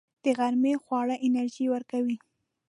د غرمې خواړه انرژي ورکوي